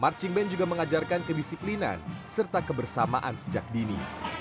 marching band juga mengajarkan kedisiplinan serta kebersamaan sejak dini